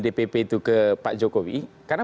dpp itu ke pak jokowi karena